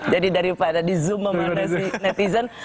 jadi daripada di zoom sama netizen